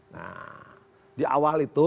nah di awal itu